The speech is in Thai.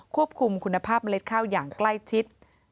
ควบคุมคุณภาพเล็ดข้าวอย่างใกล้ชิด